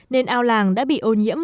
nên ao làng đã bị ô nhiễm